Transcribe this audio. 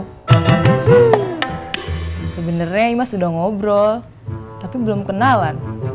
hmm sebenernya ini mas udah ngobrol tapi belum kenalan